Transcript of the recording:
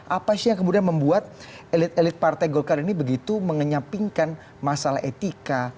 apa sih yang kemudian membuat elit elit partai golkar ini begitu mengenyapingkan masalah etika